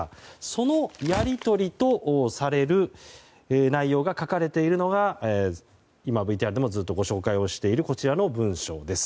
そのやり取りとされる内容が書かれているのが今、ＶＴＲでもずっとご紹介をしているこちらの文書です。